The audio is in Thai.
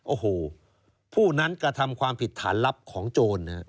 โอ้โหผู้นั้นกระทำความผิดฐานลับของโจร